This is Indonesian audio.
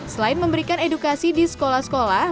selain memberikan edukasi di sekolah sekolah